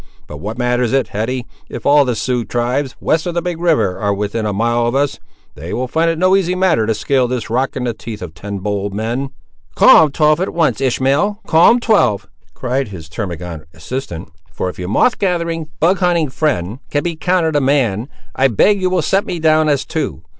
But what matters it, Hetty, if all the Sioux tribes, west of the big river, are within a mile of us; they will find it no easy matter to scale this rock, in the teeth of ten bold men." "Call 'em twelve at once, Ishmael; call 'em twelve!" cried his termagant assistant. "For if your moth gathering, bug hunting friend, can be counted a man, I beg you will set me down as two.